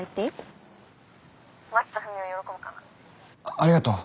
ありがとう。